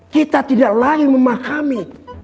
kita tidak lagi memahami